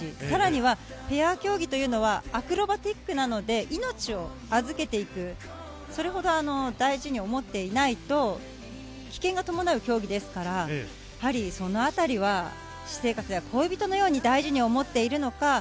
さらにはペア競技というのは、アクロバティックなので命を預けていく、それほど大事に思っていないと危険が伴う競技ですから、そのあたりは私生活や恋人のように大事に思っているのか。